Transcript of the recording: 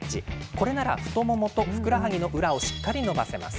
これなら太ももとふくらはぎの裏をしっかり伸ばせます。